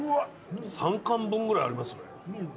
３貫分ぐらいあります。